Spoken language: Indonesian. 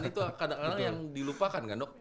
itu kadang kadang yang dilupakan kan dok